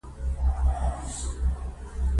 د انحصاراتو په برخه کې د دولت پر کړنو اثرات وښندل.